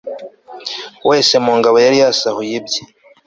wese mu ngabo yari yasahuye ibye